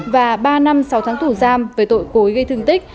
và ba năm sáu tháng tù giam về tội cối gây thương tích